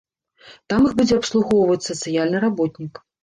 Там іх будзе абслугоўваць сацыяльны работнік.